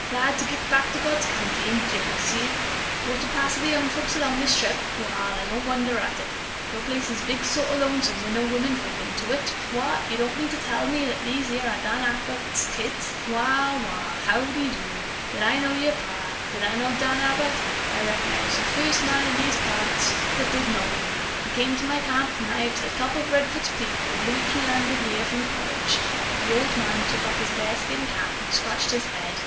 Glad to git back to God's country, ain't you now, Si? Brought a parcel of young folks along this trip? Wall, I don't wonder at it. Your big place is sort o' lonesome wi' no wimmin folks into it. What? You don' mean to tell me these here are Dan Abbott's kids! Wall, wall. How de do? Did I know yer pa? Did I know Danny Abbott? I reckon I was the furst man in these here parts that did know him. He come to my camp, nigh to the top of Redfords' Peak, the week he landed here from college." The old man took off his bearskin cap and scratched his head.